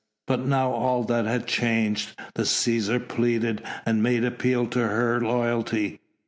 But now all that had changed. The Cæsar pleaded and made appeal to her loyalty.